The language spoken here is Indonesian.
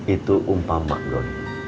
itu umpama don